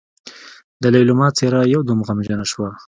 د ليلما څېره يودم غمجنه شوه.